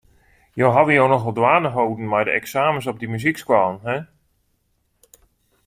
Jo hawwe jo nochal dwaande holden mei de eksamens op dy muzykskoallen, hin.